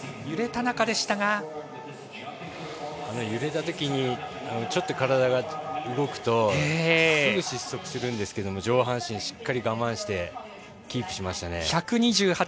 揺れたときにちょっと体が動くとすぐ失速するんですけど上半身しっかり我慢してキープしましたね。